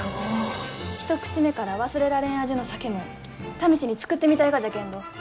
一口目から忘れられん味の酒も試しに造ってみたいがじゃけんど。